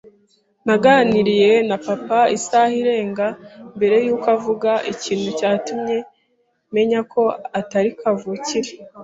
Naganiriye na Papa isaha irenga mbere yuko avuga ikintu cyatumye menya ko atari kavukire.